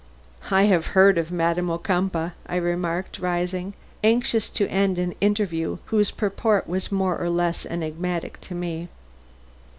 "I have heard of Madam Ocumpaugh," I remarked, rising, anxious to end an interview whose purport was more or less enigmatic to me.